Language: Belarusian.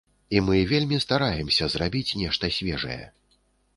І мы вельмі стараемся зрабіць нешта свежае.